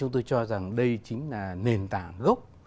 tôi cho rằng đây chính là nền tảng gốc